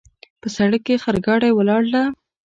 په سړک کې خرګاډۍ ولاړ ده